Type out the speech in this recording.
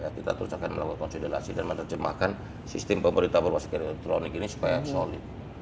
kita terus akan melakukan konsolidasi dan menerjemahkan sistem pemberitaan berwasa kinektronik ini supaya solid